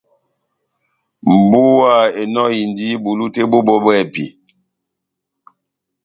Mbúwa enɔhindi bulu tɛ́h bó bɔ́ bwɛ́hɛ́pi.